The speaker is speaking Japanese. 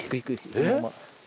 そのまま。